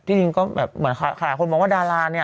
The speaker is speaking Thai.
จริงก็แบบเหมือนหลายคนมองว่าดาราเนี่ย